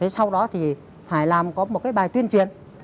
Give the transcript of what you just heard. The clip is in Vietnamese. sau đó thì phải làm có một bài tuyên truyền